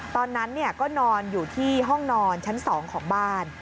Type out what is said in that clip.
ตอนนั้นก็นอนอยู่ที่ห้องนอนชั้น๒ของบ้าน